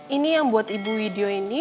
ini yang buat ibu widyo ini